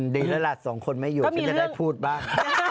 ดีแล้วล่ะสองคนไม่อยู่ฉันจะได้พูดบ้าง